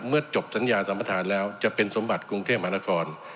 เมื่อจบสัญญาณสัมภาษณ์แล้วจะเป็นสมบัติกรุงเทพฯมหานคร